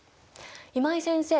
今井先生